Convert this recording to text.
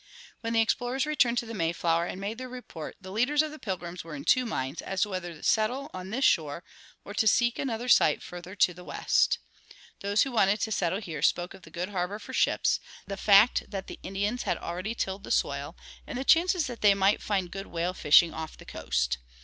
When the explorers returned to the Mayflower and made their report the leaders of the Pilgrims were in two minds as to whether to settle on this shore or to seek another site farther to the west. Those who wanted to settle here spoke of the good harbor for ships, the fact that the Indians had already tilled the soil, and the chances that they might find good whale fishing off the coast.